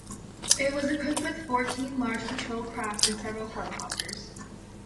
It was equipped with fourteen large patrol craft and several helicopters.